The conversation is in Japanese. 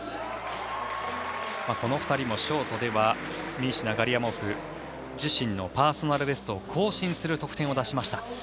この２人もショートではミシナ、ガリアモフ自身のパーソナルベストを更新する得点を出しました。